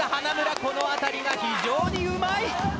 このあたりが非常にうまい。